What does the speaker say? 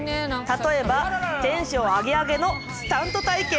例えばテンションアゲアゲのスタント体験。